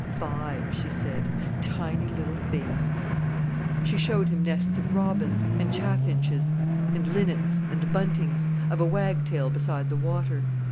"Five!" she said. "Tiny little things." She showed him nests of robins, and chaffinches, and linnets, and buntings; of a wagtail beside the water.